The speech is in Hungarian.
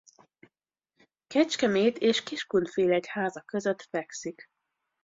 Kecskemét és Kiskunfélegyháza között fekszik.